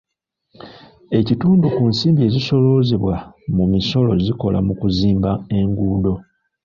Ekitundu ku nsimbi ezisooloozebwa mu misolo zikola mu kuzimba enguudo.